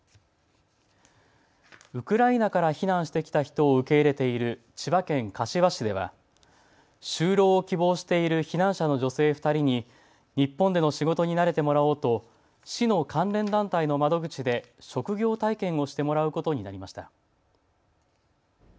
ウクライナから避難してきた人を受け入れている千葉県柏市では就労を希望している避難者の女性２人に日本での仕事に慣れてもらおうと市の関連団体の窓口で職業体験をしてもらうことになりました。